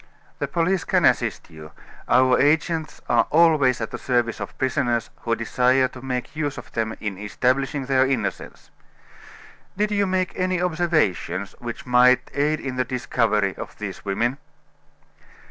"The police can assist you our agents are always at the service of prisoners who desire to make use of them in establishing their innocence. Did you make any observations which might aid in the discovery of these women?"